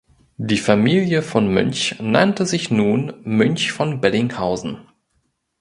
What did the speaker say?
Die Familie von Münch nannte sich nun „Münch von Bellinghausen“.